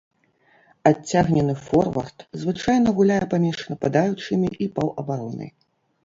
Адцягнены форвард звычайна гуляе паміж нападаючымі і паўабаронай.